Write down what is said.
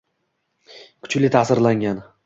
kuchli ta’sirlangan.